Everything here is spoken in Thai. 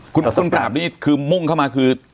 คุณปราบนี่คือมุ่งเข้ามาคือ